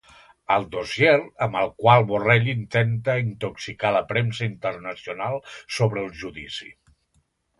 El dossier amb el qual Borrell intenta intoxicar la premsa internacional sobre el judici